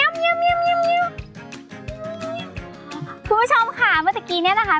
คุณผู้ชมค่ะเมื่อสักกี้เนี่ยนะคะ